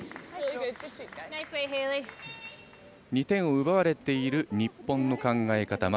２点を奪われている日本の考え方